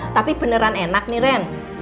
tapi beneran enak nih ren